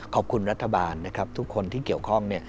ขอบคุณรัฐบาลนะครับทุกคนที่เกี่ยวข้อง